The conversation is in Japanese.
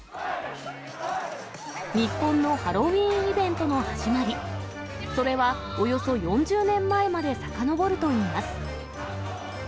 日本のハロウィーンイベントの始まり、それは、およそ４０年前までさかのぼるといいます。